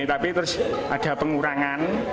tapi terus ada pengurangan